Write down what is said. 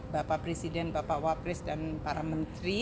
bapak presiden bapak wapres dan para menteri